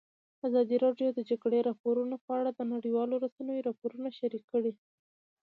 ازادي راډیو د د جګړې راپورونه په اړه د نړیوالو رسنیو راپورونه شریک کړي.